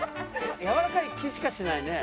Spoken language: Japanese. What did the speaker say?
やわらかい気しかしないね。